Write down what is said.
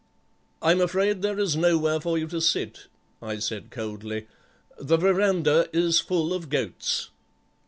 "'I'm afraid there is nowhere for you to sit,' I said coldly; 'the verandah is full of goats.